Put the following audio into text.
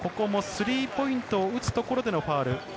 スリーポイントを打つところでのファウル。